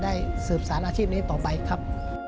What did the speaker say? สืบสารอาชีพนี้ต่อไปครับ